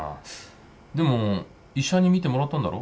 でも医者に診てもらったんだろ？